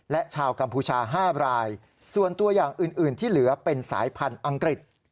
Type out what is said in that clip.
และชาวกัมพูชา๕รายส่วนตัวอย่างอื่นที่เหลือเป็นสายพันธุ์อังกฤษ